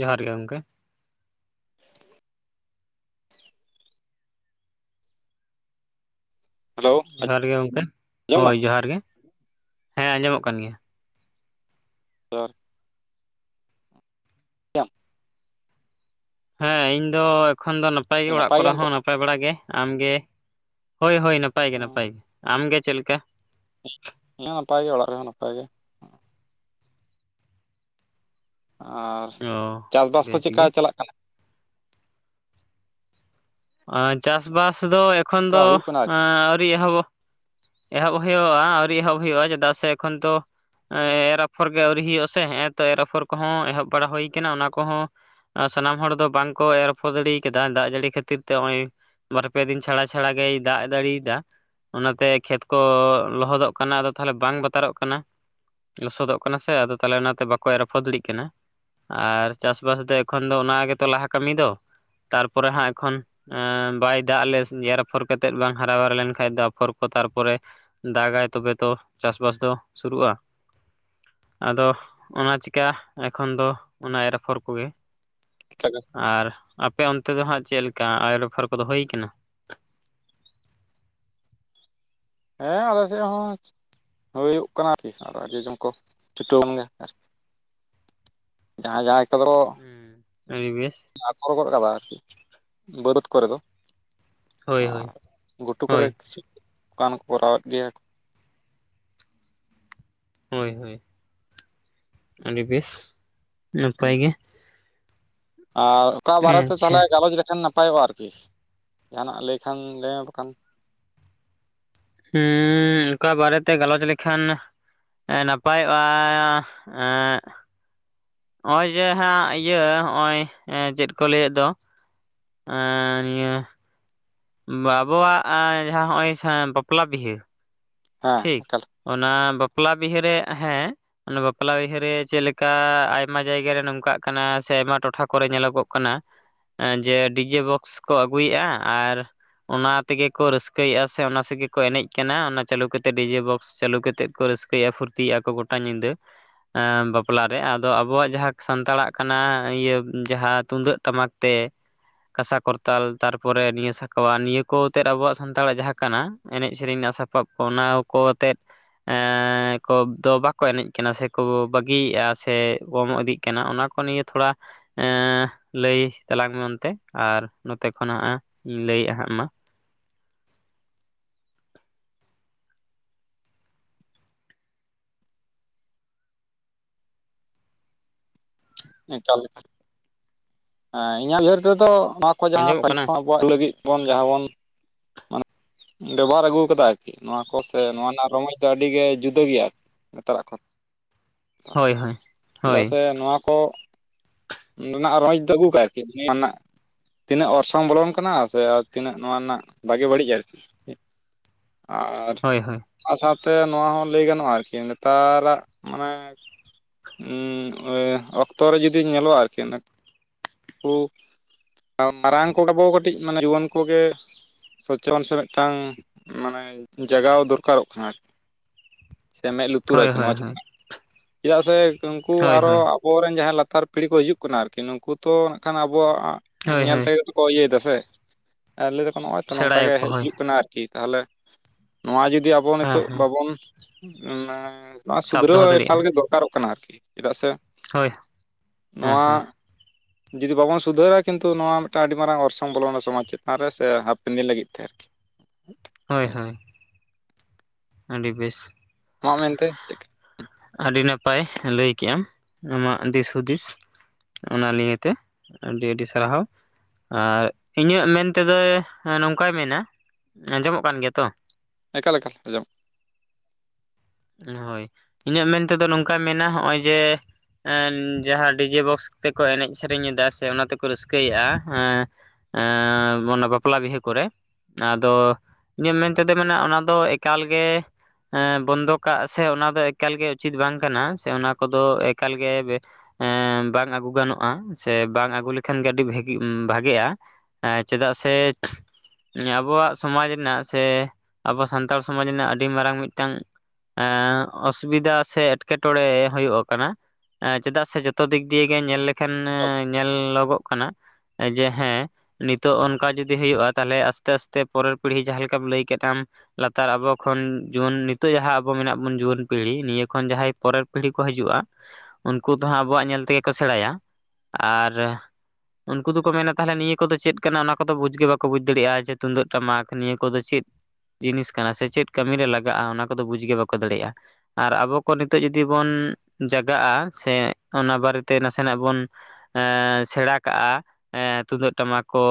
ᱡᱚᱦᱟᱨ ᱜᱮ ᱜᱚᱝᱠᱮ ᱦᱮᱞᱳ ᱡᱚᱦᱟᱨ ᱜᱮ ᱜᱚᱝᱠᱮ ᱟᱸᱡᱚᱢ ᱫᱟᱢ ᱦᱳᱭ ᱡᱚᱦᱟᱨ ᱜᱮ ᱦᱮᱸ ᱟᱸᱡᱚᱢᱚᱜ ᱠᱟᱱ ᱜᱮᱭᱟ ᱡᱚᱦᱟᱨ ᱜᱮᱭᱟᱢ ᱦᱮᱸ ᱤᱧ ᱫᱚ ᱮᱠᱷᱚᱱ ᱫᱚ ᱱᱟᱯᱟᱭ ᱜᱮ ᱚᱲᱟᱜ ᱠᱚᱨᱮ ᱜᱮᱭᱟᱢ ᱛᱚ ᱦᱚᱸ ᱱᱟᱯ ᱱᱟᱯᱟᱭ ᱵᱟᱲᱟ ᱜᱮ, ᱟᱢᱜᱮ, ᱦᱳᱭ ᱦᱳᱭ ᱱᱟᱯᱟᱭ ᱜᱮ ᱱᱟᱯᱟᱭ ᱜᱮ ᱟᱢᱜᱮ ᱪᱮᱫ ᱞᱮᱠᱟ ᱤᱧ ᱦᱚᱸ ᱱᱟᱯᱟᱭ ᱜᱮ, ᱚᱲᱟᱜ ᱠᱚᱨᱮᱦᱚᱸ ᱱᱟᱯᱟᱭ ᱜᱮ ᱟᱨ ᱚ ᱪᱟᱥᱵᱟᱥ ᱠᱚ ᱵᱮᱥ ᱪᱮᱫᱠᱟ ᱜᱮ ᱪᱟᱞᱟᱜ ᱠᱟᱱᱟ ᱚ, ᱪᱟᱥᱵᱟᱥ ᱫᱚ ᱮᱠᱷᱚᱱ ᱪᱮᱫᱠᱟ ᱫᱚ ᱦᱩᱭᱩᱜ ᱠᱟᱱᱟ ᱟᱨᱠᱤ ᱟᱹᱣᱨᱤ ᱮᱦᱚᱵᱚᱜ ᱮᱦᱚᱵ ᱦᱳᱭᱳᱣᱟ ᱟᱹᱣᱨᱤ ᱮᱦᱚᱵ ᱦᱳᱭᱳᱜ-ᱟ ᱪᱮᱫᱟᱜ ᱥᱮ ᱮᱠᱷᱚᱱ ᱛᱚ ᱮᱸᱻ ᱮᱨ ᱟᱯᱷᱚᱨ ᱜᱮ ᱟᱹᱣᱨᱤ ᱦᱩᱭᱩᱜ ᱟᱥᱮ ᱦᱮᱸᱜ-ᱮᱸ ᱛᱚ ᱮᱨᱟᱯᱷᱚᱨ ᱠᱚᱦᱚᱸ ᱮᱦᱚᱵ ᱵᱟᱲᱟ ᱦᱩᱭ ᱠᱟᱱᱟ ᱚᱱᱟ ᱠᱚᱦᱚᱸ ᱟᱨ ᱥᱟᱱᱟᱢ ᱦᱚᱲ ᱫᱚ ᱵᱟᱝᱠᱚ ᱮᱨᱟᱯᱷᱚᱨ ᱫᱟᱲᱮ ᱠᱟᱫᱟ ᱫᱟᱜ ᱡᱟᱹᱲᱤ ᱠᱷᱟᱹᱛᱤᱨ ᱛᱮ ᱦᱚᱸᱜ-ᱚᱭ ᱵᱟᱨ ᱯᱮ ᱫᱤᱱ ᱪᱷᱟᱲᱟ ᱪᱷᱟᱲᱟ ᱜᱮᱭ ᱫᱟᱜ ᱫᱟᱜ ᱡᱟᱲᱤᱭᱮᱫᱟ ᱚᱱᱟᱛᱮ ᱠᱷᱮᱛ ᱠᱚ ᱞᱚᱦᱚᱫᱚᱜ ᱠᱟᱱᱟ ᱟᱫᱚ ᱛᱟᱦᱞᱮ ᱵᱟᱝ ᱵᱟᱛᱟᱨᱚᱜ ᱠᱟᱱᱟ ᱞᱚᱥᱚᱫᱚᱜ ᱠᱟᱱᱟ ᱥᱮ ᱟᱫᱚ ᱛᱟᱦᱞᱮ ᱚᱱᱟᱛᱮ ᱵᱟᱠᱚ ᱮᱨ ᱟᱯᱷᱚᱨ ᱫᱟᱲᱤᱜ ᱠᱟᱱᱟ ᱟᱨ ᱪᱟᱥᱵᱟᱥ ᱫᱚ ᱮᱠᱷᱚᱱ ᱫᱚ ᱚᱱᱟ ᱜᱮᱛᱚ ᱞᱟᱦᱟ ᱠᱟᱹᱢᱤ ᱫᱚ ᱛᱟᱨᱯᱚᱨᱮ ᱦᱟᱸᱜ ᱮᱠᱷᱚᱱ ᱵᱟᱭ ᱫᱟᱜ ᱞᱮ, ᱮᱨ ᱟᱯᱷᱚᱨ ᱠᱟᱛᱮᱫ ᱵᱟᱝ ᱦᱟᱨᱟ ᱵᱟᱨ ᱞᱮᱱᱠᱷᱟᱡ ᱫᱚ ᱟᱯᱷᱚᱨ ᱛᱟᱨᱯᱚᱨᱮ ᱫᱟᱜᱟᱭ ᱛᱚᱵᱮ ᱛᱚ ᱪᱟᱥᱵᱟᱥ ᱫᱚ ᱥᱩᱨᱩᱜ-ᱟ ᱟᱫᱚ ᱚᱱᱟ ᱪᱮᱠᱟᱦ ᱮᱠᱷᱚᱱ ᱫᱚ ᱚᱱᱟ ᱮᱨ-ᱟᱯᱷᱚᱨ ᱠᱚᱜᱮ ᱠᱷᱟᱡ ᱫᱚ ᱟᱨ ᱟᱯᱮ ᱚᱱᱛᱮ ᱫᱚ ᱦᱟᱜ ᱪᱮᱫ ᱞᱮᱠᱟ ᱟᱭᱳ ᱨᱚᱯᱷᱟᱨ ᱠᱚᱫᱚ ᱦᱳᱭᱠᱟᱱᱟ? ᱦᱮᱸ ᱟᱞᱮ ᱥᱮᱜ ᱦᱚᱸ ᱦᱩᱭᱩᱜ ᱠᱟᱱᱟ ᱟᱨ ᱠᱤ ᱟᱨ ᱡᱚᱡᱚᱢ ᱠᱚ ᱪᱷᱩᱴᱟᱹᱣᱮᱱ ᱜᱮ ᱟᱨ ᱡᱟᱦᱟᱸ ᱡᱟᱦᱟᱸᱭ ᱠᱚᱫᱚ [unintelligible] ᱟᱹᱰᱤ ᱵᱮᱥ᱾ ᱫᱷᱟᱯᱚᱲ ᱜᱚᱫ ᱠᱟᱫᱟᱭ ᱟᱨᱠᱤ ᱵᱟᱹᱫᱟᱹᱛ ᱠᱚᱨᱮ ᱫᱚ᱾ ᱦᱳᱭ ᱦᱳᱭ ᱚ ᱜᱷᱩᱴᱩ ᱦᱳᱭ ᱠᱚᱨᱮ [unintelligible] ᱠᱟᱱ ᱠᱚ ᱠᱚᱨᱟᱣᱮᱫ ᱜᱮᱭᱟ ᱠᱚ, ᱦᱳᱭ ᱦᱳᱭ ᱟᱹᱰᱤ ᱵᱮᱥ ᱱᱟᱯᱟᱭ ᱜᱮ, ᱟᱨ ᱚᱠᱟ ᱵᱟᱨᱮᱛᱮ ᱟᱪᱪᱷᱟ ᱛᱟᱞᱮ ᱜᱟᱞᱚᱪ ᱞᱮᱠᱷᱟᱱ ᱱᱟᱯᱟᱭᱚᱜ-ᱟ ᱟᱨᱠᱤ ᱡᱟᱦᱟᱱᱟᱜ ᱞᱟᱹᱭ ᱠᱷᱟᱱ ᱞᱟᱹᱭᱢᱮ ᱵᱟᱠᱷᱟᱱ ᱦᱩᱸ ᱚᱠᱟ ᱵᱟᱨᱮᱛᱮ ᱜᱟᱞᱚᱪ ᱞᱮᱠᱷᱟᱱ ᱮ ᱱᱟᱯᱟᱭᱚᱜ-ᱟ ᱮᱜ ᱚᱭ ᱡᱮ ᱦᱟᱸᱜ ᱤᱭᱟᱹ ᱦᱚᱜ-ᱚᱭ ᱪᱮᱫ ᱠᱚ ᱞᱟᱹᱭᱮᱫ ᱫᱚ ᱮᱸ ᱱᱤᱭᱟᱹ ᱵᱟᱵᱚᱣᱟᱜ-ᱟᱸ ᱡᱟᱦᱟᱸ ᱦᱚᱜᱼᱚᱭ ᱵᱟᱯᱞᱟ ᱵᱤᱦᱟᱹ ᱦᱮᱸ ᱴᱷᱤᱠ ᱢᱟᱛᱟᱞᱮ ᱚᱱᱟ ᱵᱟᱯᱞᱟ ᱵᱤᱦᱟᱹᱨᱮ ᱦᱮᱸ ᱚᱱᱮ ᱵᱟᱯᱞᱟ ᱵᱤᱦᱟᱹᱨᱮ ᱪᱮᱞᱮᱠᱟ ᱟᱭᱢᱟ ᱡᱟᱭᱜᱟᱨᱮ ᱱᱚᱝᱠᱟᱜ ᱠᱟᱱᱟ ᱥᱮ ᱟᱭᱢᱟ ᱴᱚᱴᱷᱟ ᱠᱚᱨᱮ ᱧᱮᱞᱚᱜᱚᱜ ᱠᱟᱱᱟ, ᱡᱮ ᱰᱤᱡᱮ ᱵᱚᱠᱥ ᱠᱚ ᱟᱹᱜᱩᱭᱮᱜ-ᱟ ᱟᱨ ᱚᱱᱟ ᱛᱮᱜᱮ ᱠᱚ ᱨᱟᱹᱥᱠᱟᱹᱭᱮᱫᱼᱟ ᱥᱮ ᱚᱱᱟ ᱥᱮᱜᱮ ᱠᱚ ᱮᱱᱮᱡ ᱠᱟᱱᱟ ᱾ ᱪᱟᱹᱞᱩ ᱠᱟᱛᱮ ᱰᱤᱡᱮ ᱵᱚᱠᱥ ᱪᱟᱹᱞᱩ ᱠᱟᱛᱮ ᱠᱚ ᱨᱟᱹᱥᱠᱟᱹᱭᱟ ᱯᱷᱩᱨᱛᱤᱜᱼᱟ ᱠᱚ ᱜᱚᱴᱟ ᱧᱤᱫᱟᱹ᱾ ᱮᱸ ᱵᱟᱯᱞᱟ ᱨᱮ ᱟᱫᱚ ᱟᱵᱚᱣᱟᱜ ᱡᱟᱦᱟᱸ ᱥᱟᱱᱛᱟᱲᱟᱜ ᱠᱟᱱᱟ ᱤᱭᱟᱹ ᱡᱟᱦᱟᱸ ᱛᱩᱢᱫᱟᱹᱜ ᱴᱟᱢᱟᱠ ᱛᱮ ᱠᱟᱸᱥᱟ ᱠᱚᱨᱛᱟᱞ ᱛᱟᱨᱯᱚᱨᱮ ᱱᱤᱭᱟᱹ ᱥᱟᱠᱣᱟ ᱱᱤᱭᱟᱹ ᱠᱚ ᱚᱛᱮᱫ ᱟᱵᱚᱣᱟᱜ ᱥᱟᱱᱛᱟᱲᱟᱜ ᱡᱟᱦᱟᱸ ᱠᱟᱱᱟ ᱮᱱᱮᱡ ᱥᱮᱨᱮᱧ ᱨᱮᱱᱟᱜ ᱥᱟᱯᱟᱵ ᱚᱱᱟ ᱠᱚ ᱟᱛᱮᱫ ᱮᱸᱻ ᱠᱚᱵ ᱫᱚ ᱵᱟᱠᱚ ᱮᱱᱮᱡ ᱠᱟᱱᱟ ᱥᱮᱠᱚ ᱵᱟᱹᱜᱤᱭᱮᱫᱼᱟ ᱥᱮ ᱠᱚᱢ ᱤᱫᱤᱜ ᱠᱟᱱᱟ ᱾ ᱠᱟᱱᱟ ᱚᱱᱟ ᱠᱚ ᱱᱤᱭᱟᱹ ᱛᱷᱚᱲᱟ ᱮᱸᱻ ᱞᱟᱹᱭ ᱛᱟᱞᱟᱝ ᱢᱮ ᱚᱱᱛᱮ ᱟᱨ ᱱᱚᱛᱮ ᱠᱷᱚᱱ ᱦᱟᱸᱜ ᱤᱧ ᱞᱟᱹᱭᱮᱜ ᱦᱟᱸᱜ ᱢᱟ᱾ ᱮᱠᱟᱞ ᱮᱠᱟᱞ ᱦᱮᱸ ᱤᱧᱟᱹᱜ ᱩᱭᱦᱟᱹᱨ ᱛᱮᱫᱚ ᱱᱚᱣᱟ ᱠᱚ ᱡᱟᱦᱟᱸ ᱟᱸᱡᱚᱢᱚᱜ ᱯᱟᱹᱦᱤᱞ ᱠᱟᱱᱟ ᱠᱷᱚᱱ ᱟᱵᱚᱣᱟᱜ ᱞᱟᱹᱜᱤᱫ ᱵᱚᱱ ᱡᱟᱦᱟᱸ ᱵᱚᱱ ᱢᱟᱱᱮ ᱵᱮᱵᱚᱦᱟᱨ ᱟᱹᱜᱩ ᱠᱟᱫᱟ ᱟᱨᱠᱤ ᱱᱚᱣᱟ ᱠᱚ ᱥᱮ ᱱᱚᱣᱟ ᱨᱮᱱᱟᱜ ᱨᱚᱢᱚᱡᱽ ᱫᱚ ᱟᱹᱰᱤᱜᱮ ᱡᱩᱫᱟᱹ ᱜᱮᱭᱟ ᱟᱨᱠᱤ᱾ ᱱᱮᱛᱟᱨᱟᱜ ᱠᱷᱚᱱ ᱫᱚ, ᱦᱳᱭ ᱦᱳᱭ ᱦᱳᱭ ᱪᱮᱫᱟᱜ ᱥᱮ ᱱᱚᱣᱟ ᱠᱚ ᱱᱚᱰᱮ ᱱᱟᱜ ᱨᱚᱡᱽ ᱫᱚ ᱟᱹᱜᱩ ᱠᱟᱜᱼᱟ ᱟᱨᱠᱤ ᱱᱚᱣᱟ ᱨᱮᱱᱟᱜ ᱛᱤᱱᱟᱹᱜ ᱚᱨᱥᱚᱝ ᱵᱚᱞᱚᱱ ᱠᱟᱱᱟ ᱥᱮ ᱛᱤᱱᱟᱹᱜ ᱱᱚᱣᱟ ᱨᱮᱱᱟᱜ ᱵᱷᱟᱜᱮ ᱵᱟᱹᱲᱤᱡ ᱟᱨᱠᱤ᱾ ᱟᱨ ᱦᱳᱭ ᱦᱳᱭ ᱟᱨ ᱥᱟᱶᱛᱮ ᱱᱚᱣᱟ ᱦᱚᱸ ᱞᱟᱹᱭ ᱜᱟᱱᱚᱜᱼᱟ ᱟᱨᱠᱤ ᱱᱮᱛᱟᱨᱟᱜ ᱢᱟᱱᱮ ᱦᱩᱸ ᱚᱠᱛᱚ ᱨᱮ ᱡᱩᱫᱤ ᱧᱮᱞᱚᱜᱼᱟ ᱟᱨᱠᱤ ᱠᱩ ᱢᱟᱨᱟᱝ ᱠᱚᱫᱚᱵᱚ ᱠᱟᱹᱴᱤᱡ ᱢᱟᱱᱮ ᱨᱩᱣᱟᱹᱱ ᱠᱚᱜᱮ ᱥᱚᱪᱨᱚᱱ ᱥᱮ ᱢᱤᱫᱴᱟᱝ ᱢᱟᱱᱮ ᱡᱟᱜᱟᱣ ᱫᱚᱨᱠᱟᱨᱚᱜ ᱠᱟᱱᱟ ᱟᱨᱠᱤ᱾ ᱥᱮ ᱢᱮᱫ ᱞᱩᱛᱩᱨᱟ ᱦᱳᱭ ᱠᱤ ᱦᱳᱭ ᱱᱚᱣᱟ ᱦᱳᱭ ᱪᱮᱛᱟᱱ ᱪᱮᱫᱟᱜ ᱥᱮ ᱩᱱᱠᱩ ᱦᱳᱭ ᱟᱨᱚ ᱦᱳᱭ ᱟᱵᱚᱨᱮᱱ ᱡᱟᱦᱟᱸᱭ ᱞᱟᱛᱟᱨ ᱯᱤᱲᱦᱤ ᱠᱚ ᱦᱤᱡᱩᱜ ᱠᱟᱱᱟ ᱟᱨᱠᱤ ᱱᱩᱠᱩ ᱛᱚ ᱠᱷᱟᱱ ᱟᱵᱚᱣᱟᱜ ᱦᱳᱭ ᱧᱮᱞ ᱦᱳᱭ ᱛᱮ ᱜᱮᱠᱚ ᱤᱭᱟᱹᱭ ᱫᱟ ᱥᱮ ᱞᱟᱹᱭ ᱫᱟᱠᱚ ᱱᱚᱜᱼᱚᱭ ᱛᱚ ᱱᱚᱝᱠᱟ ᱜᱮ ᱥᱮᱬᱟᱭᱟᱠᱚ ᱦᱮᱡ ᱦᱳᱭ ᱦᱩᱭᱩᱜ ᱠᱟᱱᱟ ᱟᱨᱠᱤ ᱛᱟᱦᱚᱞᱮ ᱱᱚᱣᱟ ᱡᱩᱫᱤ ᱟᱵᱚ ᱦᱮᱸ ᱱᱤᱛᱚᱜ ᱦᱮᱸ ᱵᱟᱵᱚᱱ ᱱᱚᱣᱟ ᱥᱟᱵ ᱥᱩᱫᱷᱨᱟᱹᱣ ᱫᱚᱦᱚ ᱮᱠᱟᱞ ᱫᱟᱲᱮᱭᱟᱜᱼᱟ ᱜᱮ ᱫᱚᱨᱠᱟᱨᱚᱜ ᱠᱟᱱᱟ ᱟᱨᱠᱤ ᱪᱮᱫᱟᱜ ᱥᱮ ᱦᱳᱭ ᱦᱮᱸ ᱱᱚᱣᱟ [inaudible] ᱡᱩᱫᱤ ᱵᱟᱵᱚᱱ ᱥᱩᱫᱷᱟᱹᱨᱟ ᱠᱤᱱᱛᱩ ᱱᱚᱣᱟ ᱢᱤᱫᱴᱟᱝ ᱟᱹᱰᱤ ᱢᱟᱨᱟᱝ ᱚᱨᱥᱚᱝ ᱵᱚᱞᱚᱱᱟ ᱥᱚᱢᱟᱡᱽ ᱪᱮᱛᱟᱱ ᱨᱮ ᱥᱮ ᱦᱟᱯᱮᱱ ᱫᱤᱱ ᱞᱟᱹᱜᱤᱫ ᱛᱮ ᱟᱨᱠᱤ᱾ ᱦᱳᱭ ᱦᱳᱭ ᱟᱹᱰᱤ ᱵᱮᱥ᱾ ᱱᱚᱣᱟ ᱢᱮᱱᱛᱮ ᱪᱮᱫ ᱟᱹᱰᱤ ᱱᱟᱯᱟᱭ ᱞᱟᱹᱭ ᱠᱮᱜ ᱟᱢ ᱟᱢᱟᱜ ᱫᱤᱥ ᱦᱩᱫᱤᱥ ᱾ ᱚᱱᱟ ᱱᱤᱭᱮᱛᱮ ᱟᱹᱰᱤ ᱟᱹᱰᱤ ᱥᱟᱨᱦᱟᱣ ᱾ ᱟᱨ ᱤᱧᱟᱹᱜ ᱢᱮᱱ ᱛᱮᱫᱚ ᱱᱚᱝᱠᱟᱭ ᱢᱮᱱᱟ ᱟᱸᱡᱚᱢᱚᱜ ᱠᱟᱱ ᱜᱮᱭᱟ ᱛᱚ ᱮᱠᱟᱞ ᱮᱠᱟᱞ ᱟᱸᱡᱚᱢ ᱦᱳᱭ ᱤᱧᱟᱹᱜ ᱢᱮᱱ ᱛᱮᱫᱚ ᱱᱚᱝᱠᱟᱭ ᱢᱮᱱᱟ ᱱᱚᱜᱼᱚᱭ ᱡᱮ ᱡᱟᱦᱟᱸ ᱰᱤᱡᱮ ᱵᱚᱠᱥ ᱛᱮᱠᱚ ᱮᱱᱮᱡ ᱥᱮᱨᱮᱧ ᱮᱫᱟ ᱥᱮ ᱚᱱᱟ ᱛᱮᱠᱚ ᱨᱟᱹᱥᱠᱟᱹᱭᱮᱫᱼᱟ ᱾ ᱮ ᱢᱟᱱᱮ ᱵᱟᱯᱞᱟ ᱵᱤᱦᱟᱹ ᱠᱚᱨᱮ ᱾ ᱟᱫᱚ ᱤᱧᱟᱹᱜ ᱢᱮᱱ ᱛᱮᱫᱚ ᱢᱟᱱᱮ ᱚᱱᱟ ᱫᱚ ᱮᱠᱟᱞᱜ ᱵᱚᱱᱫᱚᱠ ᱠᱟᱜ ᱥᱮ ᱚᱱᱟ ᱫᱚ ᱮᱠᱟᱞ ᱜᱮ ᱩᱪᱤᱛ ᱵᱟᱝ ᱠᱟᱱᱟ ᱥᱮ ᱚᱱᱟ ᱠᱚᱫᱚ ᱮᱠᱟᱞ ᱜᱮ ᱵᱟᱝ ᱟᱹᱜᱩ ᱜᱟᱱᱚᱜᱼᱟ ᱥᱮ ᱵᱟᱝ ᱟᱹᱜᱩ ᱞᱮᱠᱷᱟᱱ ᱜᱮ ᱟᱹᱰᱤ ᱵᱷᱮᱜᱮ ᱵᱷᱟᱜᱮᱜᱼᱟ ᱦᱮᱸ ᱪᱮᱫᱟᱜ ᱥᱮ ᱟᱵᱚᱣᱟᱜ ᱥᱚᱢᱟᱡᱽ ᱨᱮᱱᱟᱜ ᱥᱮ ᱟᱵᱚ ᱥᱟᱱᱛᱟᱲ ᱥᱚᱢᱟᱡᱽ ᱨᱮᱱᱟᱜ ᱟᱹᱰᱤ ᱢᱟᱨᱟᱝ ᱢᱤᱫᱴᱟᱝ ᱮ ᱚᱥᱩᱵᱤᱫᱷᱟ ᱥᱮ ᱮᱸᱴᱠᱮᱴᱬᱮ ᱦᱩᱭᱩᱜ ᱠᱟᱱᱟ ᱾ ᱸ ᱪᱮᱫᱟᱜ ᱥᱮ ᱡᱚᱛᱚ ᱫᱤᱠ ᱫᱤᱭᱮ ᱜᱮ ᱧᱮᱞ ᱞᱮᱠᱷᱟᱱ ᱧᱮᱞᱚᱜᱚᱜ ᱡᱮ ᱦᱮᱸ ᱱᱤᱛᱚᱜ ᱚᱱᱠᱟ ᱡᱚᱫᱤ ᱦᱩᱭᱩᱜᱼᱟ ᱛᱟᱦᱚᱞᱮ ᱟᱥᱛᱮ ᱟᱥᱛᱮ ᱯᱚᱨᱮᱨ ᱯᱤᱲᱦᱤ ᱡᱟᱦᱟᱸ ᱞᱮᱠᱟᱢ ᱞᱟᱹᱭ ᱠᱮᱫ ᱟᱢ ᱞᱟᱛᱟᱨ ᱟᱵᱚ ᱠᱷᱚᱱ ᱡᱩᱣᱟᱹᱱ ᱱᱤᱛᱚᱜ ᱡᱟᱦᱟᱸ ᱟᱵᱚ ᱢᱮᱱᱟᱜ ᱵᱚᱱ ᱡᱩᱣᱟᱹᱱ ᱯᱤᱲᱦᱤ ᱱᱤᱭᱟᱹ ᱠᱷᱚᱱ ᱡᱟᱦᱟᱸᱭ ᱯᱚᱨᱮᱨ ᱯᱤᱲᱦᱤ ᱠᱚ ᱦᱤᱡᱩᱜᱼᱟ ᱩᱱᱠᱩ ᱫᱚᱦᱟᱸᱜ ᱟᱵᱚᱣᱟᱜ ᱧᱮᱞ ᱛᱮᱜᱮ ᱠᱚ ᱥᱮᱬᱟᱭᱟ ᱟᱨ ᱩᱱᱠᱩ ᱫᱚᱠᱚ ᱢᱮᱱᱟ ᱛᱟᱦᱚᱞᱮ ᱱᱤᱭᱟᱹ ᱠᱚᱫᱚ ᱪᱮᱫ ᱠᱟᱱᱟ ᱚᱱᱟ ᱠᱚᱫᱚ ᱵᱩᱡᱽ ᱜᱮ ᱵᱟᱠᱚ ᱵᱩᱡᱽ ᱫᱟᱲᱮᱭᱟᱜᱼᱟ ᱡᱮ ᱛᱩᱢᱫᱟᱹᱜ ᱴᱟᱢᱟᱠ ᱱᱤᱭᱟᱹ ᱠᱚᱫᱚ ᱪᱮᱫ ᱡᱤᱱᱤᱥ ᱠᱟᱱᱟ ᱥᱮ ᱪᱮᱫ ᱠᱟᱹᱢᱤᱨᱮ ᱞᱟᱜᱟᱜᱼᱟ ᱚᱱᱟ ᱠᱚᱫᱚ ᱵᱩᱡᱽ ᱜᱮ ᱵᱟᱠᱚ ᱫᱟᱲᱮᱭᱟᱜᱼᱟ ᱟᱨ ᱟᱵᱚ ᱠᱚ ᱱᱤᱛᱚᱜ ᱡᱩᱫᱤ ᱵᱚᱱ ᱡᱟᱜᱟᱜᱼᱟ ᱥᱮ ᱚᱱᱟ ᱵᱟᱨᱮᱛᱮ ᱱᱟᱥᱮᱱᱟᱜ ᱵᱚᱱ ᱥᱮᱬᱟ ᱠᱟᱜᱼᱟ ᱛᱩᱢᱫᱟᱹᱜ ᱴᱟᱢᱟᱠ ᱠᱚ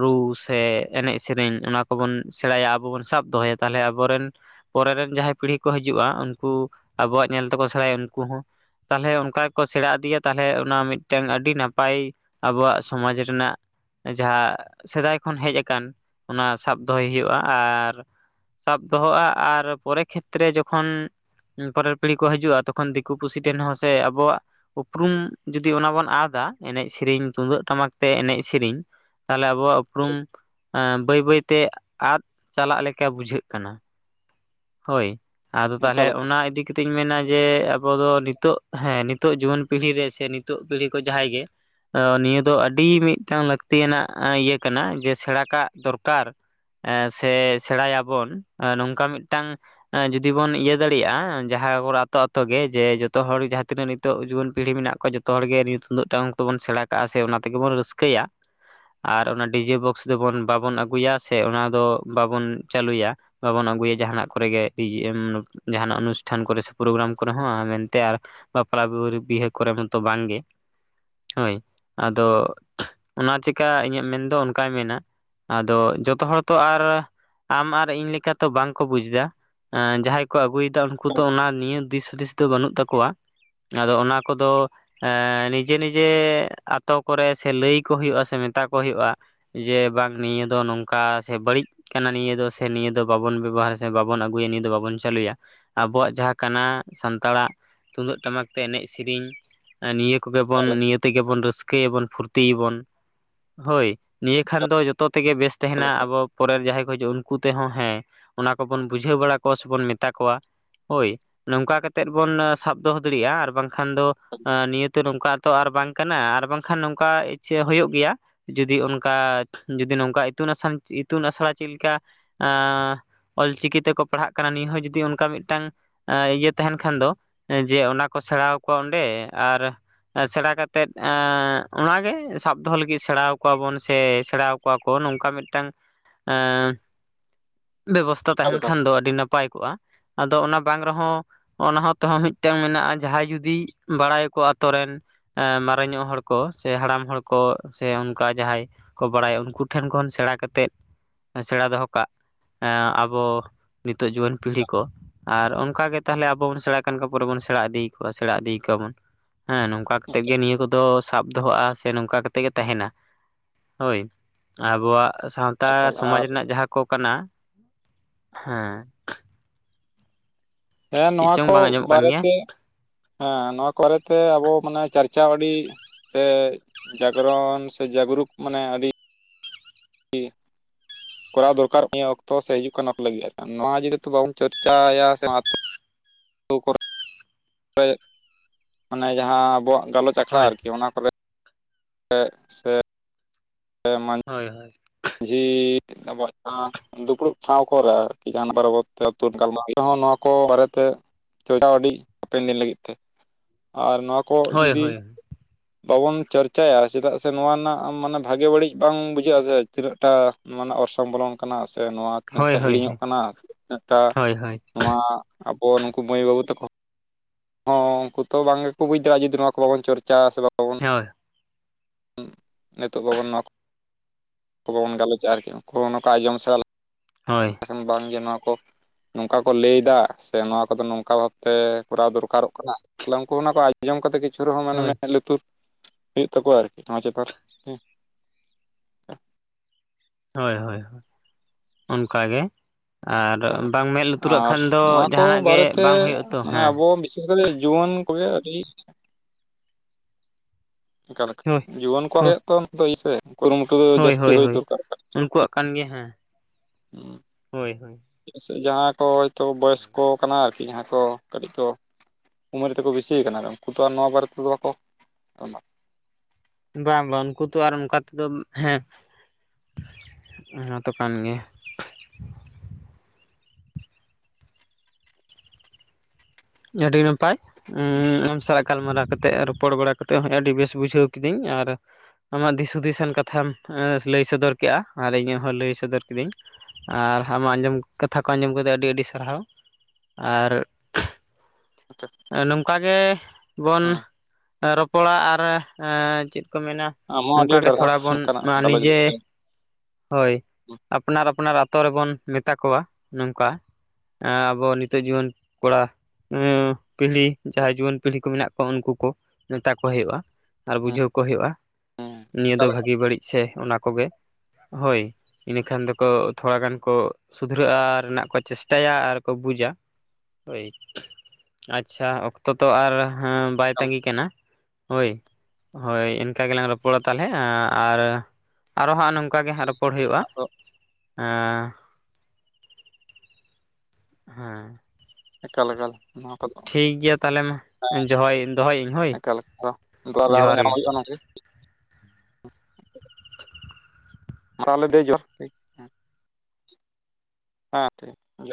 ᱨᱩ ᱥᱮ ᱮᱱᱮᱡ ᱥᱮᱨᱮᱧ ᱚᱱᱟ ᱠᱚᱵᱚᱱ ᱥᱮᱬᱟᱭᱟ ᱟᱵᱚ ᱵᱚᱱ ᱥᱟᱵ ᱫᱚᱦᱚᱭᱟ ᱛᱟᱦᱚᱞᱮ ᱟᱵᱚᱨᱮᱱ ᱯᱚᱨᱮᱨᱮ ᱨᱮᱱ ᱡᱟᱦᱟᱸᱭ ᱯᱤᱲᱦᱤ ᱠᱚ ᱦᱤᱡᱩᱜᱼᱟ ᱩᱱᱠᱩ ᱟᱵᱚᱣᱟᱜ ᱧᱮᱞ ᱛᱮᱠᱚ ᱥᱮᱬᱟᱭᱟ ᱩᱱᱠᱩ ᱦᱚᱸ ᱛᱟᱦᱚᱞᱮ ᱚᱱᱠᱟ ᱜᱮᱠᱚ ᱥᱮᱬᱟ ᱤᱫᱤᱭᱟ ᱛᱟᱦᱚᱞᱮ ᱚᱱᱟ ᱢᱤᱫᱴᱟᱝ ᱟᱹᱰᱤ ᱱᱟᱯᱟᱭ ᱟᱵᱚᱣᱟᱜ ᱥᱚᱢᱟᱡᱽ ᱨᱮᱱᱟᱜ ᱡᱟᱦᱟᱸ ᱥᱮᱫᱟᱭ ᱠᱷᱚᱱ ᱦᱮᱡ ᱟᱠᱟᱱ ᱚᱱᱟ ᱥᱟᱵ ᱫᱚᱦᱚᱭ ᱦᱩᱭᱩᱜᱼᱟ ᱟᱨ ᱥᱟᱵ ᱫᱚᱦᱚᱜᱼᱟ ᱟᱨ ᱯᱚᱨᱮ ᱠᱷᱮᱛᱨᱮ ᱡᱚᱠᱷᱚᱱ ᱯᱚᱨᱮᱨ ᱯᱤᱲᱦᱤ ᱠᱚ ᱦᱤᱡᱩᱜᱼᱟ ᱛᱚᱠᱷᱚᱱ ᱫᱤᱠᱩ ᱯᱩᱥᱤ ᱴᱷᱮᱱ ᱦᱚᱸ ᱥᱮ ᱟᱵᱚᱣᱟᱜ ᱩᱯᱨᱩᱢ ᱡᱩᱫᱤ ᱚᱱᱟ ᱵᱚᱱ ᱟᱫᱟ ᱮᱱᱮᱡ ᱥᱮᱨᱮᱧ ᱛᱩᱢᱫᱟᱹᱜ ᱴᱟᱢᱟᱠ ᱛᱮ ᱮᱱᱮᱡ ᱥᱮᱨᱮᱤᱧ ᱛᱟᱦᱞᱮ ᱟᱵᱚᱣᱟᱜ ᱩᱯᱨᱩᱢ ᱮ ᱵᱟᱹᱭ ᱵᱟᱹᱭᱛᱮ ᱟᱫ ᱪᱟᱞᱟᱜ ᱞᱮᱠᱟ ᱵᱩᱡᱷᱟᱹᱜ ᱠᱟᱱᱟ᱾ ᱦᱳᱭ ᱟᱫᱚ ᱛᱟᱦᱚᱞᱮ ᱮᱠᱟᱞ ᱮᱠᱟᱞ ᱚᱱᱟ ᱤᱫᱤ ᱠᱟᱛᱮᱧ ᱢᱮᱱᱟ ᱡᱮ ᱟᱵᱚ ᱫᱚ ᱱᱤᱛᱚᱜ ᱦᱮᱸ ᱱᱤᱛᱚᱜ ᱡᱩᱣᱟᱹᱱ ᱯᱤᱲᱦᱤ ᱨᱮ ᱥᱮ ᱱᱤᱛᱚᱜ ᱯᱤᱲᱦᱤ ᱠᱚ ᱡᱟᱦᱟᱸᱭ ᱜᱮ ᱱᱤᱭᱟᱹ ᱫᱚ ᱟᱹᱰᱤ ᱢᱤᱫᱴᱟᱝ ᱞᱟᱹᱠᱛᱤᱭᱟᱱᱟᱜ ᱤᱭᱟᱹ ᱠᱟᱱᱟ ᱡᱮ ᱥᱮᱬᱟ ᱠᱟᱜ ᱫᱚᱨᱠᱟᱨ ᱮ ᱥᱮ ᱥᱮᱬᱟᱭᱟᱵᱚᱱ ᱱᱚᱝᱠᱟ ᱢᱤᱫᱴᱟᱝ ᱡᱩᱫᱤ ᱵᱚᱱ ᱤᱭᱟᱹ ᱫᱟᱲᱮᱭᱟᱜᱼᱟ ᱡᱟᱦᱟᱸ ᱦᱚᱲ ᱟᱛᱳ ᱟᱛᱳ ᱜᱮ ᱡᱮ ᱡᱚᱛᱚ ᱦᱚᱲ ᱡᱟᱦᱟᱸ ᱛᱤᱱᱟᱹᱜ ᱱᱤᱛᱚᱜ ᱡᱩᱣᱟᱹᱱ ᱯᱤᱲᱦᱤ ᱢᱮᱱᱟᱜ ᱠᱚᱣᱟ ᱡᱚᱛᱚ ᱦᱚᱲ ᱜᱮᱮ ᱱᱤᱭᱟᱹ ᱛᱩᱢᱫᱟᱹᱜ ᱴᱟᱢᱟᱠ ᱛᱮᱵᱚᱱ ᱥᱮᱬᱟ ᱠᱟᱜᱼᱟ ᱥᱮ ᱚᱱᱟ ᱛᱮᱜᱮᱵᱚᱱ ᱨᱟᱹᱥᱠᱟᱹᱭᱟ ᱟᱨ ᱚᱱᱟ ᱰᱤᱡᱮ ᱵᱚᱠᱥ ᱫᱚᱵᱚᱱ ᱵᱟᱵᱚᱱ ᱟᱹᱜᱩᱭᱟ ᱥᱮ ᱚᱱᱟ ᱫᱚ ᱵᱟᱵᱚᱱ ᱪᱟᱹᱞᱩᱭᱟ ᱵᱟᱵᱚᱱ ᱟᱹᱜᱩᱭᱟ ᱡᱟᱦᱟᱱᱟᱜ ᱠᱚᱨᱮᱜᱮ ᱡᱟᱦᱟᱱᱟᱜ ᱚᱱᱩᱥᱴᱷᱟᱱ ᱠᱚᱨᱮ ᱥᱮ ᱯᱨᱳᱜᱨᱟᱢ ᱠᱚᱨᱮ ᱦᱚᱸ ᱢᱮᱱᱛᱮ ᱟᱨ ᱵᱟᱯᱞᱟᱤᱦ ᱵᱤᱦᱟᱹ ᱠᱚᱨᱮ ᱢᱟᱛᱚ ᱵᱟᱝᱜᱮ ᱦᱳᱭ ᱟᱫᱚ ᱚᱱᱟ ᱪᱮᱠᱟ ᱤᱧᱟᱹᱜ ᱢᱮᱱᱫᱚ ᱚᱱᱠᱟᱭ ᱢᱮᱱᱟ ᱟᱫᱚ ᱡᱚᱛᱚ ᱦᱚᱲ ᱛᱚ ᱟᱨ ᱟᱢ ᱟᱨ ᱤᱧ ᱞᱮᱠᱟ ᱛᱚ ᱵᱟᱝᱠᱚ ᱵᱩᱡᱷᱟᱹ ᱮ ᱡᱟᱦᱟᱸᱭ ᱠᱚ ᱟᱹᱜᱩᱭᱮᱫᱟ ᱩᱱᱠᱩ ᱫᱚ ᱮᱠᱟᱞ ᱚᱱᱟ ᱱᱤᱭᱟᱹ ᱫᱤᱥ ᱦᱩᱫᱤᱥ ᱫᱚ ᱵᱟᱹᱱᱩᱜ ᱛᱟᱠᱚᱣᱟ ᱟᱫᱚ ᱚᱱᱟ ᱠᱚᱫᱚ ᱱᱤᱡᱮ ᱱᱤᱡᱮ ᱟᱛᱳ ᱠᱚᱨᱮ ᱥᱮ ᱞᱟᱹᱭ ᱠᱚ ᱦᱩᱭᱩᱜᱼᱟ ᱥᱮ ᱢᱮᱛᱟ ᱠᱚ ᱦᱩᱭᱩᱜᱼᱟ ᱡᱮ ᱵᱟᱝ ᱱᱤᱭᱟᱹ ᱫᱚ ᱱᱚᱝᱠᱟ ᱥᱮ ᱵᱟᱹᱲᱤᱡ ᱠᱟᱱᱟ ᱱᱤᱭᱟᱹ ᱫᱚ ᱥᱮ ᱱᱤᱭᱟᱹ ᱫᱚ ᱵᱟᱵᱚᱱ ᱵᱮᱵᱚᱦᱟᱨ ᱥᱮ ᱵᱟᱵᱚᱱ ᱟᱹᱜᱩᱭᱟ ᱱᱤᱭᱟᱹ ᱫᱚ ᱵᱟᱵᱚᱱ ᱪᱟᱹᱞᱩᱭᱟ ᱟᱵᱚᱣᱟᱜ ᱡᱟᱦᱟᱸ ᱠᱟᱱᱟ ᱥᱟᱱᱛᱟᱲᱟᱜ ᱛᱩᱢᱫᱟᱜ ᱴᱟᱢᱟᱠ ᱛᱮ ᱮᱱᱮᱡ ᱥᱮᱨᱮᱧ ᱱᱤᱭᱟᱹ ᱠᱚᱜᱮ ᱵᱚᱱ ᱱᱤᱭᱟᱹ ᱛᱮᱜᱮ ᱵᱚᱱ ᱨᱟᱹᱥᱠᱟᱹ ᱨᱟᱹᱠᱟᱹᱭᱟᱵᱚᱱ ᱯᱷᱩᱨᱛᱤᱭᱟᱵᱚᱱ ᱦᱳᱭ ᱱᱤᱭᱟᱹ ᱠᱷᱟᱱ ᱫᱚ ᱡᱚᱛᱚ ᱛᱮᱜᱮ ᱵᱮᱥ ᱛᱟᱦᱮᱱᱟ ᱟᱵᱚ ᱯᱚᱨᱮ ᱡᱟᱦᱟᱸᱭ ᱠᱚ ᱦᱤᱡᱩᱜᱼᱟ ᱩᱱᱠᱩ ᱛᱮᱦᱚᱸ ᱦᱮᱸ ᱚᱱᱟ ᱠᱚᱵᱚᱱ ᱵᱩᱡᱷᱟᱹᱣ ᱵᱟᱲᱟ ᱠᱚᱣᱟ ᱥᱮᱵᱚᱱ ᱢᱮᱛᱟ ᱠᱚᱣᱟ ᱦᱳᱭ ᱱᱚᱝᱠᱟ ᱠᱟᱛᱮᱜ ᱵᱚᱱ ᱥᱟᱵ ᱫᱚᱦᱚ ᱫᱟᱲᱤᱭᱟᱜᱼᱟ ᱟᱨ ᱵᱟᱝᱠᱷᱟᱱ ᱫᱚ ᱤᱭᱟᱹ ᱛᱚ ᱱᱚᱝᱠᱟ ᱛᱚ ᱟᱨ ᱵᱟᱝ ᱠᱟᱱᱟ ᱟᱨ ᱵᱟᱝᱠᱷᱟᱱ ᱱᱚᱝᱠᱟ ᱤᱪᱪᱷᱟᱹ ᱦᱩᱭᱩᱜ ᱜᱮᱭᱟ ᱡᱩᱫᱤ ᱚᱱᱠᱟ ᱡᱩᱫᱤ ᱱᱚᱝᱠᱟ ᱤᱛᱩᱱ ᱟᱥ ᱤᱛᱩᱱ ᱟᱥᱲᱟ ᱪᱮᱫᱞᱮᱠᱟ ᱚᱞᱪᱤᱠᱤ ᱛᱮᱠᱚ ᱯᱟᱲᱦᱟᱜ ᱠᱟᱱᱟ ᱱᱤᱭᱟᱹ ᱦᱚᱸ ᱡᱩᱫᱤ ᱚᱱᱠᱟ ᱢᱤᱫᱴᱟᱝ ᱤᱭᱟᱹ ᱛᱟᱦᱮᱱ ᱠᱷᱟᱱ ᱫᱚ ᱡᱮ ᱚᱱᱟ ᱠᱚ ᱥᱮᱬᱟᱣ ᱠᱚᱣᱟ ᱚᱸᱰᱮ ᱟᱨ ᱥᱮᱬᱟ ᱠᱟᱛᱮᱜ ᱚᱱᱟᱜᱮ ᱥᱟᱵ ᱫᱚᱦᱚ ᱞᱟᱹᱜᱤᱫ ᱥᱮᱬᱟ ᱟᱠᱚᱣᱟᱵᱚᱱ ᱥᱮ ᱥᱮᱬᱟ ᱠᱚᱣᱟ ᱠᱚ ᱱᱚᱝᱠᱟ ᱢᱤᱫᱴᱟᱝ ᱵᱮᱵᱚᱥᱛᱟ ᱮᱠᱟᱞ ᱛᱟᱦᱮᱱ ᱮᱠᱟᱞ ᱠᱷᱟᱱ ᱫᱚ ᱟᱹᱰᱤ ᱱᱟᱯᱟᱭ ᱠᱚᱜᱼᱟ ᱟᱫᱚ ᱚᱱᱟ ᱵᱟᱝ ᱨᱮᱦᱚᱸ ᱚᱱᱟ ᱦᱚᱸ ᱛᱮᱦᱚᱸ ᱢᱤᱫᱴᱟᱝ ᱢᱮᱱᱟᱜᱼᱟ ᱡᱟᱦᱟᱸᱭ ᱡᱩᱫᱤ ᱵᱟᱲᱟᱭᱟᱠᱚ ᱟᱛᱳ ᱨᱮᱱ ᱢᱟᱨᱟᱝ ᱧᱚᱜ ᱦᱚᱲ ᱠᱚ ᱥᱮ ᱦᱟᱲᱟᱢ ᱦᱚᱲ ᱠᱚ ᱥᱮ ᱚᱱᱠᱟ ᱡᱟᱦᱟᱸᱭ ᱠᱚ ᱵᱟᱲᱟᱭᱟ ᱩᱱᱠᱩ ᱴᱷᱮᱱ ᱠᱷᱚᱱ ᱥᱮᱬᱟ ᱠᱟᱛᱮᱫ ᱥᱮᱬᱟ ᱫᱚᱦᱚ ᱠᱟᱜ ᱟᱵᱚ ᱱᱤᱛᱚᱜ ᱡᱩᱣᱟᱹᱱ ᱯᱤᱲᱦᱤ ᱠᱚ ᱟᱨ ᱚᱱᱠᱟ ᱜᱮ ᱛᱟᱦᱚᱞᱮ ᱟᱵᱚ ᱵᱚᱱ ᱥᱮᱬᱟᱭ ᱠᱷᱟᱱ ᱯᱚᱨ ᱵᱚᱱ ᱥᱮᱬᱟ ᱤᱫᱤ ᱠᱚᱣᱟ ᱥᱮᱬᱟ ᱤᱫᱤ ᱠᱚᱣᱟᱵᱚᱱ ᱦᱮᱸ ᱱᱚᱝᱠᱟ ᱠᱟᱛᱮᱜ ᱜᱮ ᱱᱤᱭᱟᱹ ᱠᱚᱫᱚ ᱥᱟᱵ ᱫᱚᱦᱚᱜᱼᱟ ᱥᱮ ᱱᱚᱝᱠᱟ ᱠᱟᱛᱮᱜ ᱜᱮ ᱛᱟᱦᱮᱱᱟ ᱦᱳᱭ ᱟᱵᱚᱣᱟᱜ ᱥᱟᱶᱛᱟ ᱮᱠᱟᱞ ᱥᱚᱢᱟᱡᱽ ᱟᱨ ᱨᱮᱱᱟᱜ ᱡᱟᱦᱟᱸ ᱠᱚ ᱠᱟᱱᱟ ᱦᱮᱸ ᱦᱮᱸ ᱪᱮᱫ ᱱᱚᱣᱟ ᱪᱚᱝ ᱠᱚ ᱵᱟᱝ ᱟᱸᱡᱚᱢᱚᱜ ᱠᱟᱱ ᱵᱟᱨᱮ ᱜᱮᱭᱟ ᱛᱮ ᱦᱮᱸ ᱱᱚᱣᱟ ᱠᱚᱨᱮ ᱛᱮ ᱟᱵᱚ ᱢᱟᱱᱮ ᱪᱟᱨᱪᱟᱣ ᱟᱹᱰᱤ ᱛᱮ ᱡᱟᱜᱽᱨᱚᱱ ᱥᱮ ᱡᱟᱜᱽᱨᱩᱠ ᱢᱟᱱᱮ ᱟᱹᱰᱤ [unintelligible] ᱠᱚᱨᱟᱣ ᱫᱚᱨᱠᱟᱨ ᱱᱤᱭᱟᱹ ᱚᱠᱛᱚ ᱥᱮ ᱦᱤᱡᱩᱜ ᱠᱟᱱ ᱚᱠᱛᱚ ᱱᱚᱣᱟ ᱡᱩᱫᱤ ᱵᱟᱵᱚᱱ ᱪᱚᱨᱪᱟᱭᱟ ᱥᱮ [unintelligible] ᱢᱟᱱᱮ ᱡᱟᱦᱟᱸ ᱟᱵᱚᱣᱟᱜ ᱜᱟᱞᱚᱪ ᱟᱠᱷᱲᱟ ᱦᱳᱭ ᱟᱨᱠᱤ ᱚᱱᱟ ᱠᱚᱨᱮ ᱛᱮᱜ ᱥᱮ [unintelligible] ᱦᱳᱭ ᱦᱳᱭ ᱡᱷᱤᱻᱻ ᱟᱵᱚᱣᱟᱜ ᱛᱟᱝ ᱫᱩᱯᱲᱩᱵ ᱴᱷᱟᱶ ᱠᱚᱨᱮ ᱟᱨᱠᱤ ᱜᱟᱱ ᱯᱟᱨᱵᱚᱛ ᱛᱮ ᱟᱹᱛᱩ ᱜᱟᱞᱢᱟᱨᱟᱣ ᱱᱚᱣᱟ ᱠᱚ ᱵᱟᱨᱮᱛᱮ ᱪᱟᱞᱟᱣ ᱟᱹᱰᱤ ᱦᱟᱯᱮᱱ ᱫᱤᱱ ᱞᱟᱹᱜᱤᱫ ᱛᱮ ᱟᱨ ᱱᱚᱣᱟ ᱠᱚ ᱦᱳᱭ ᱡᱩᱫᱤ ᱵᱟᱵᱚᱱ ᱪᱟᱨᱪᱟᱭᱟ ᱪᱮᱫᱟᱜ ᱥᱮ ᱱᱚᱣᱟ ᱨᱮᱱᱟᱜ ᱢᱟᱱᱮ ᱵᱷᱟᱜᱮ ᱵᱟᱹᱲᱤᱡ ᱵᱟᱝ ᱵᱩᱡᱷᱟᱹᱜ-ᱟ ᱥᱮ ᱛᱤᱱᱟᱹᱜ ᱴᱟ ᱢᱟᱱᱮ ᱚᱨᱥᱚᱝ ᱵᱚᱞᱚᱱ ᱠᱟᱱᱟ ᱥᱮ ᱱᱚᱣᱟ ᱛᱤᱱᱟᱹᱜ ᱦᱳᱭ ᱦᱳᱭ ᱴᱟᱜ ᱦᱳᱭ ᱦᱤᱲᱤᱧᱚᱜ ᱠᱟᱱᱟ ᱥᱮ ᱛᱤᱱᱟᱹᱜ ᱴᱟᱜ ᱦᱳᱭ ᱦᱳᱭ ᱱᱚᱣᱟ ᱟᱵᱚ ᱱᱩᱠᱩ ᱢᱟᱹᱭ ᱵᱟᱹᱵᱩ ᱛᱟᱠᱚ ᱦᱳ ᱠᱩ ᱛᱚ ᱵᱟᱝᱜᱮᱠᱚ ᱵᱩᱡ ᱫᱟᱲᱮᱭᱟᱜ-ᱟ ᱡᱩᱫᱤ ᱱᱚᱣᱟ ᱠᱚ ᱵᱟᱵᱚᱱ ᱪᱚᱨᱪᱟ ᱥᱮ ᱵᱟᱵᱚᱱ ᱦᱳᱭ ᱱᱤᱛᱚᱜ ᱵᱟᱵᱚᱱ ᱱᱚᱣᱟ ᱠᱚ ᱵᱟᱵᱚᱱ ᱜᱟᱞᱚᱪ-ᱟ ᱟᱨᱠᱤ ᱩᱱᱠᱩ [unintelligible] ᱥᱮᱲᱟ ᱦᱳᱭ [unintelligible] ᱵᱟᱝᱜᱮ ᱱᱚᱣᱟ ᱠᱚ ᱱᱚᱝᱠᱟ ᱠᱚ ᱞᱟᱹᱭᱫᱟ ᱥᱮ ᱱᱚᱣᱟ ᱠᱚᱫᱚ ᱱᱚᱝᱠᱟ ᱵᱷᱟᱵᱛᱮ ᱠᱚᱨᱟᱣ ᱫᱚᱨᱠᱟᱨᱚᱜ ᱠᱟᱱᱟ ᱛᱟᱦᱞᱮ ᱩᱱᱠᱩ ᱠᱚ ᱟᱡᱚᱢ ᱠᱟᱛᱮ ᱠᱤᱪᱷᱩ ᱨᱮᱦᱚᱸ ᱢᱟᱱᱮ ᱦᱳᱭ ᱢᱮᱫ ᱞᱩᱛᱩᱨ ᱦᱩᱭᱩᱜ ᱛᱟᱠᱚᱣᱟ ᱟᱨᱠᱤ ᱱᱚᱣᱟ ᱪᱮᱛᱟᱱ ᱦᱳᱭ ᱦᱳᱭ ᱦᱳᱭ ᱚᱱᱠᱟ ᱜᱮ ᱟᱨ ᱚᱱᱠᱟ ᱞᱮᱠᱟ ᱵᱟᱝ ᱢᱮᱫ ᱞᱩᱛᱩᱨᱟᱜ ᱟᱨ ᱠᱷᱟᱱ ᱫᱚ ᱱᱚᱣᱟ ᱠᱚ ᱡᱟᱦᱱᱟᱜ ᱜᱮ ᱵᱟᱨᱮᱛᱮ ᱵᱟᱝ ᱦᱩᱭᱩᱜ ᱟᱛᱚ ᱢᱟᱱᱮ ᱦᱮ ᱟᱵᱚ ᱵᱤᱥᱮᱥ ᱡᱩᱣᱟᱹᱱ ᱠᱚᱜᱮ ᱟᱹᱰᱤ [unintelligible] ᱦᱳᱭ ᱡᱩᱣᱟᱹᱱ ᱦᱳᱭ ᱠᱚᱣᱟᱜᱮ ᱛᱚ [unintelligible] ᱦᱳᱭ ᱦᱳᱭ ᱦᱩᱭ ᱦᱳᱭ ᱫᱚᱨᱠᱟᱨ ᱠᱟᱱᱟ ᱩᱱᱠᱩᱣᱟᱜ ᱠᱟᱱ ᱜᱮᱭᱟ ᱦᱮ ᱦᱳᱭ ᱪᱮᱫᱟᱜ ᱥᱮ ᱡᱟᱦᱟᱸ ᱠᱚ ᱦᱚᱭᱛᱚ ᱵᱚᱭᱚᱥᱠᱚ ᱠᱟᱱᱟ ᱟᱨᱠᱤ ᱡᱟᱦᱟᱸ ᱠᱚ ᱠᱟᱹᱴᱤᱡ ᱠᱚ ᱩᱢᱮᱨ ᱛᱮᱠᱚ ᱵᱤᱥᱤ ᱠᱟᱱᱟ ᱩᱱᱠᱩ ᱫᱚ ᱱᱚᱣᱟ ᱵᱟᱨᱮ ᱛᱮᱫᱚ ᱵᱟᱠᱚ ᱵᱟᱝ ᱵᱟᱝ ᱩᱱᱠᱩ ᱛᱚ ᱟᱨ ᱚᱱᱠᱟ ᱛᱮᱫᱚ ᱦᱮᱸ ᱚᱱᱟ ᱛᱚ ᱠᱟᱱ ᱜᱮᱭᱟ ᱟᱹᱰᱤ ᱱᱟᱯᱟᱭ ᱟᱢ ᱥᱟᱞᱟᱜ ᱜᱟᱞᱢᱟᱨᱟᱣ ᱠᱟᱛᱮᱫ ᱨᱚᱯᱚᱲ ᱵᱟᱲᱟ ᱠᱟᱛᱮᱫ ᱦᱚᱸ ᱟᱹᱰᱤ ᱵᱮᱥ ᱵᱩᱡᱷᱟᱹᱣ ᱠᱤᱫᱟᱹᱧ ᱟᱨ ᱟᱢᱟᱜ ᱫᱤᱥ ᱦᱩᱫᱤᱥᱟᱱ ᱠᱟᱛᱷᱟᱢ ᱞᱟᱹᱭ ᱥᱚᱫᱚᱨ ᱠᱮᱫ-ᱟ ᱟᱨ ᱤᱧᱟᱜ ᱦᱚᱸ ᱞᱟᱹᱭ ᱥᱚᱫᱚᱨ ᱠᱤᱫᱟᱹᱧ ᱟᱨ ᱟᱢᱟᱜ ᱟᱸᱡᱚᱢ ᱠᱟᱛᱷᱟ ᱠᱚ ᱟᱸᱡᱚᱢ ᱠᱟᱛᱮ ᱟᱹᱰᱤ ᱟᱹᱰᱤ ᱥᱟᱨᱦᱟᱣ ᱟᱨ ᱟᱪᱪᱷᱟ ᱱᱚᱝᱠᱟ ᱜᱮ ᱵᱚᱱ ᱨᱚᱯᱚᱲᱟ ᱟᱨ ᱪᱮᱫ ᱠᱚ ᱢᱮᱱᱟ ᱟᱢ ᱦᱚᱸ ᱟᱹᱰᱤ ᱱᱚᱝᱠᱟ ᱟᱹᱰᱤ ᱜᱮ ᱥᱟᱨᱦᱟᱣ ᱛᱷᱚᱲᱟ ᱵᱚᱱ ᱱᱚᱝᱠᱟᱱᱟᱜ ᱱᱚᱣᱟ ᱜᱟᱞᱚᱪ ᱱᱤᱡᱮ ᱞᱟᱹᱜᱤᱫ ᱛᱮ ᱦᱮᱸ ᱦᱳᱭ ᱟᱯᱱᱟᱨ ᱟᱯᱱᱟᱨ ᱟᱹᱛᱳ ᱨᱮᱵᱚᱱ ᱢᱮᱛᱟ ᱠᱚᱣᱟ ᱱᱚᱝᱠᱟ ᱦᱮᱸ ᱟᱵᱚ ᱱᱤᱛᱚᱜ ᱡᱩᱣᱟᱹᱱ ᱠᱚᱲᱟ ᱩᱸᱻ ᱯᱤᱲᱦᱤ ᱡᱟᱦᱟᱸᱭ ᱡᱩᱣᱟᱹᱱ ᱯᱤᱲᱦᱤ ᱠᱚ ᱢᱮᱱᱟᱜ ᱠᱚᱣᱟ ᱩᱱᱠᱩ ᱠᱚ ᱢᱮᱛᱟ ᱠᱚ ᱦᱩᱭᱩᱜ-ᱟ ᱟᱨ ᱵᱩᱡᱷᱟᱹᱣ ᱠᱚ ᱦᱩᱭᱩᱜ-ᱟ ᱱᱤᱭᱟᱹ ᱫᱚ ᱮᱠᱟᱞ ᱮᱠᱟᱞ ᱵᱷᱟᱹᱜᱤ ᱵᱟᱹᱲᱤᱡ ᱥᱮ ᱚᱱᱟ ᱠᱚᱜᱮ ᱦᱳᱭ ᱤᱱᱟᱹ ᱠᱷᱟᱱ ᱫᱚᱠᱚ ᱛᱷᱚᱲᱟ ᱜᱟᱱ ᱠᱚ ᱥᱩᱫᱷᱨᱟᱹᱜ-ᱟ ᱨᱮᱱᱟᱜ ᱠᱚ ᱪᱮᱥᱴᱟᱭᱟ ᱟᱨ ᱠᱚ ᱵᱩᱡᱟ ᱦᱳᱭ ᱟᱪᱪᱷᱟ ᱚᱠᱛᱚ ᱛᱚ ᱟᱨ ᱵᱟᱭ ᱛᱟᱺᱜᱤ ᱠᱟᱱᱟ ᱦᱳᱭ ᱦᱳᱭ ᱤᱱᱠᱟ ᱜᱮᱞᱟᱝ ᱨᱚᱯᱚᱲᱟ ᱛᱟᱦᱚᱞᱮ ᱟᱨ ᱟᱨᱚ ᱦᱟᱸᱜ ᱱᱚᱝᱠᱟ ᱚᱱᱠᱟ ᱜᱮ ᱦᱟᱸᱜ ᱨᱚᱯᱚᱲ ᱦᱩᱭᱩᱜᱼᱟ ᱟᱫᱚ ᱟᱸᱻ ᱦᱮᱸ ᱮᱠᱟᱞᱼᱮᱠᱟᱞ ᱴᱷᱤᱠ ᱜᱮᱭᱟ ᱛᱟᱦᱞᱮ ᱢᱟ [unintelligible] ᱫᱚᱦᱚᱭ ᱫᱚᱦᱚᱭᱮᱫᱟᱹᱧ ᱦᱳᱭ ᱮᱠᱟᱞ ᱮᱠᱟᱞ ᱟᱨᱚ ᱡᱚᱦᱟᱨ ᱜᱮ ᱧᱟᱯᱟᱢ [inaudible] ᱦᱩᱭᱩᱜᱼᱟ ᱱᱚᱝᱠᱟ ᱜᱮ ᱛᱟᱦᱚᱞᱮ ᱫᱮ [unintelligible] ᱦᱮᱸ ᱴᱷᱤᱠ ᱡᱚᱦᱟᱨ᱾